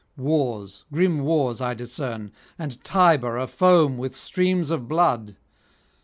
Wars, grim wars I discern, and Tiber afoam with streams of blood.